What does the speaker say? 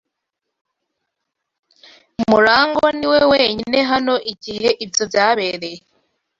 Murangwa niwe wenyine hano igihe ibyo byabereye.